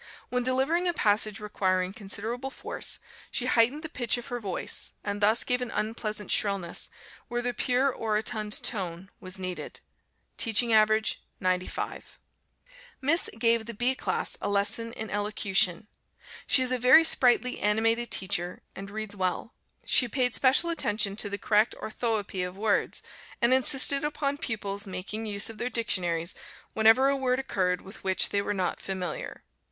When delivering a passage requiring considerable force, she heightened the pitch of her voice, and thus gave an unpleasant shrillness, where the pure orotund tone was needed. Teaching average 95. Miss gave the B class a lesson in Elocution. She is a very sprightly, animated teacher, and reads well. She paid special attention to the correct orthoëpy of words, and insisted upon pupils' making use of their dictionaries whenever a word occurred with which they were not familiar.